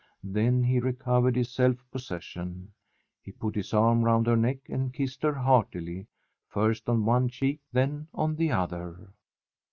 Then he recovered his self possession. He put his arm round her neck and kissed her heartily, first on one cheek, then on the other.